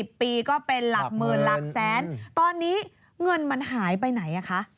ปีก็เป็นหลักหมื่นหลักแสนตอนนี้เงินมันหายไปไหนอ่ะคะ